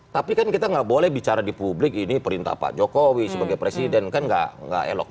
tapi kan kita nggak boleh bicara di publik ini perintah pak jokowi sebagai presiden kan gak elok